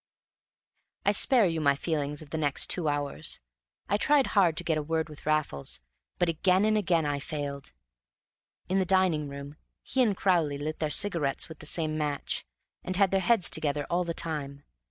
I spare you my feelings of the next two hours. I tried hard to get a word with Raffles, but again and again I failed. In the dining room he and Crowley lit their cigarettes with the same match, and had their heads together all the time.